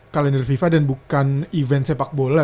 kalender fifa dan bukan event sepak bola